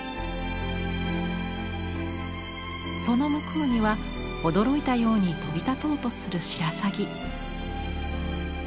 その向こうには驚いたように飛び立とうとするシラサギ。